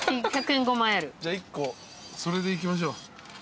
じゃあ１個それでいきましょう。